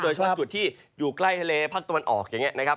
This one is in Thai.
เฉพาะจุดที่อยู่ใกล้ทะเลภาคตะวันออกอย่างนี้นะครับ